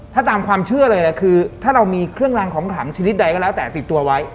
ถ้าตามความเชื่อเลยนะคือถ้าเรามีเครื่องรางของขังชนิดใดก็แล้วแต่ติดตัวไว้